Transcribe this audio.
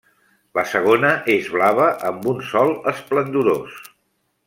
La segona és blava amb un sol esplendorós.